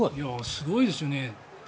すごいですね。